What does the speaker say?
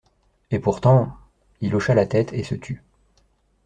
Et pourtant …» Il hocha la tête, et se tut.